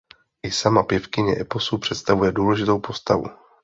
I sama pěvkyně eposu představuje důležitou postavu.